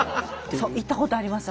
行ったことあります